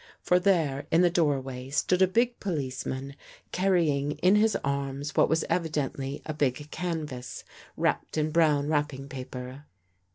For there in the door way stood a big policeman carrying in his arms what wa;s evidently a big canvas, wrapped in brown wrapping paper.